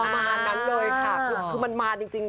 ประมาณนั้นเลยค่ะคือมันมาจริง